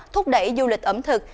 thúc đẩy du lịch ẩm thực